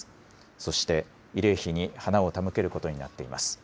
そして慰霊碑に花を手向けることになっています。